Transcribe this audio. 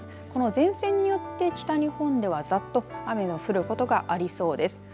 この前線によって北日本ではざっと雨の降ることがありそうです。